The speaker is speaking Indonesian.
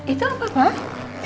itu apa pak